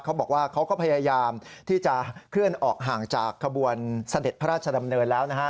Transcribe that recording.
เขาก็พยายามที่จะเคลื่อนออกห่างจากขบวนเสด็จพระราชดำเนินแล้วนะฮะ